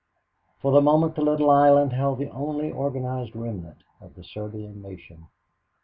For the moment the little island held the only organized remnant of the Serbian nation.